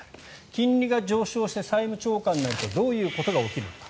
金利が上昇して債務超過になるとどういうことが起きるか。